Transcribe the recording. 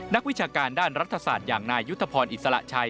วิชาการด้านรัฐศาสตร์อย่างนายยุทธพรอิสระชัย